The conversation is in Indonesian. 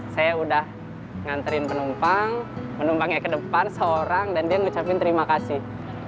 saya udah nganterin penumpang penumpangnya ke depan seorang dan dia ngucapin terima kasih